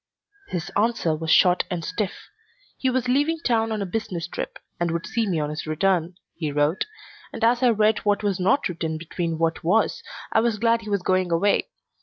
His answer was short and stiff. He was leaving town on a business trip and would see me on his return, he wrote, and as I read what was not written between what was I was glad he was going away.